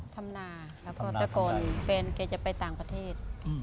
ทำนาแล้วก็ตะโกนแฟนแกจะไปต่างประเทศ